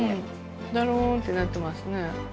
だらんってなってますね。